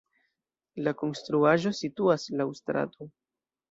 La konstruaĵo situas laŭ strato.